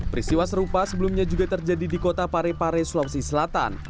peristiwa serupa sebelumnya juga terjadi di kota parepare sulawesi selatan